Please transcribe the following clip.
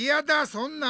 そんなの！